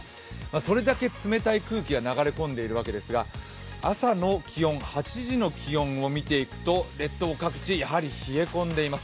それだけ冷たい空気が流れ込んでいるわけですが、朝の気温、８時の気温を見ていくと列島各地、やはり冷え込んでいます